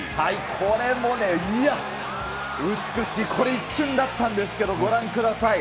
これもね、いや、美しい、これ、一瞬だったんですけど、ご覧ください。